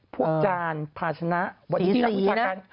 พวกจานภาชนะวันนี้ที่นักวิจารณ์